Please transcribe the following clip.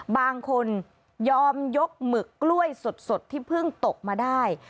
บางคนยอมยกหมึกกล้วยสดที่เพิ่งตกมาได้